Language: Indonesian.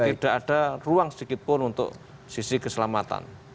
tidak ada ruang sedikit pun untuk sisi keselamatan